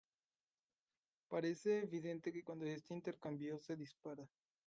parece evidente que cuando este intercambio se dispara